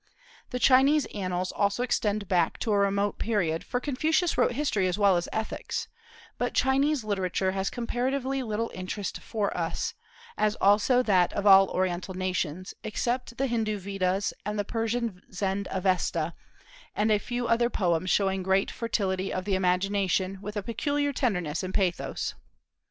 The Chinese annals also extend back to a remote period, for Confucius wrote history as well as ethics; but Chinese literature has comparatively little interest for us, as also that of all Oriental nations, except the Hindu Vedas and the Persian Zend Avesta, and a few other poems showing great fertility of the imagination, with a peculiar tenderness and pathos.